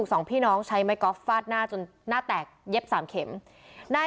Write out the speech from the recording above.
สวัสดี